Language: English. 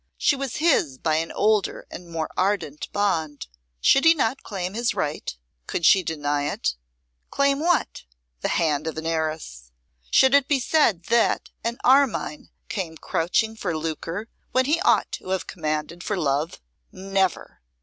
She was his by an older and more ardent bond. Should he not claim his right? Could she deny it? Claim what? The hand of an heiress. Should it be said that an Armine came crouching for lucre, where he ought to have commanded for love? Never!